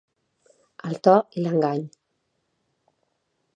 El to i l’engany.